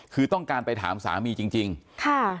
คือต้องการไปถามสามีจริงจริงค่ะ